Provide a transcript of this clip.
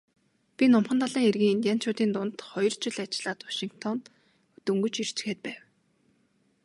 Би Номхон далайн эргийн индианчуудын дунд хоёр жил ажиллаад Вашингтонд дөнгөж ирчхээд байв.